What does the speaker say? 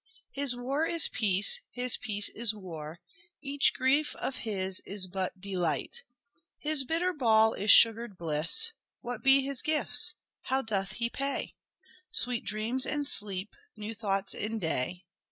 His war is peace, his peace is war, Each grief of his is but delight ; His bitter ball is sugared bliss. What be his gifts ? How doth he pay ? Sweet dreams in sleep, new thoughts in day.